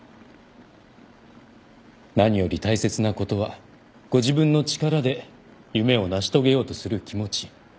何より大切なことはご自分の力で夢を成し遂げようとする気持ち。